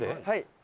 はい。